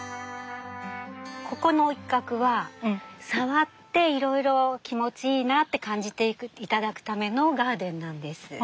ここの一角は触っていろいろ気持ちいいなって感じて頂くためのガーデンなんです。